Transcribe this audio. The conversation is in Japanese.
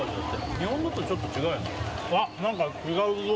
日本のとちょっと違うよね。